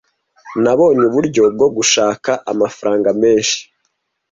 Nabonye uburyo bwo gushaka amafaranga menshi.